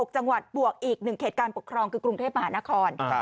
๖จังหวัดบวกอีก๑เขตการปกครองคือกรุงเทพมหานคร